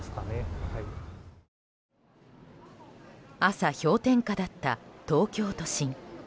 朝、氷点下だった東京都心。